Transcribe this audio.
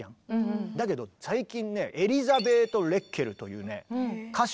だけど最近ねエリザベート・レッケルというね歌手。